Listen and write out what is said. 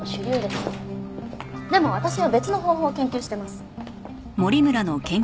でも私は別の方法を研究してます。